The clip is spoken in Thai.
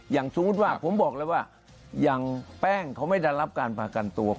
อย่างสมมุติว่าผมบอกแล้วว่าอย่างแป้งเขาไม่ได้รับการประกันตัว